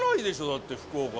だって福岡。